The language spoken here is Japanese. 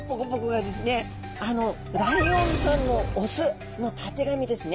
あのライオンさんの雄のたてがみですね。